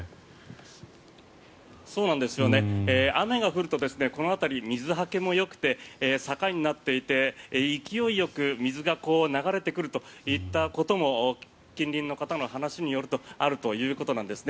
雨が降るとこの辺り、水はけもよくて坂になっていて勢いよく水が流れてくるといったことも近隣の方の話によるとあるということなんですね。